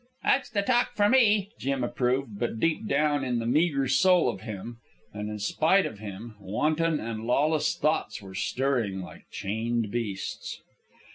"That's the talk for me," Jim approved, but deep down in the meagre soul of him, and in spite of him, wanton and lawless thoughts were stirring like chained beasts.